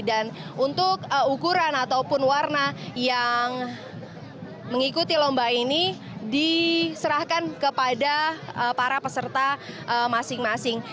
dan untuk ukuran ataupun warna yang mengikuti lomba ini diserahkan kepada para peserta masing masing